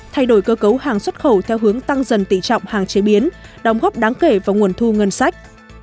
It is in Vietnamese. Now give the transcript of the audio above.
thay đổi cơ cấu hàng xuất khẩu theo hướng tăng dần tỉ trọng hàng chế biến đóng góp đáng kể vào nguồn thu ngân sách